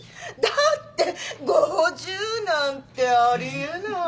だって５０なんてあり得ない。